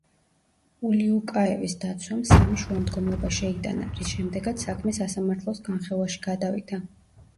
ულიუკაევის დაცვამ სამი შუამდგომლობა შეიტანა, რის შემდეგაც საქმე სასამართლოს განხილვაში გადავიდა.